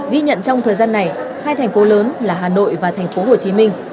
ghi nhận trong thời gian này hai thành phố lớn là hà nội và thành phố hồ chí minh